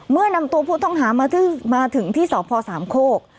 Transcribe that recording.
เมื่อนำตัวผู้ต้องหามาถึงที่สพสามโคก